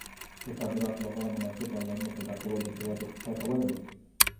د صادراتو لپاره مناسب بازارونه پیدا کول د هېواد اقتصاد ته وده ورکوي.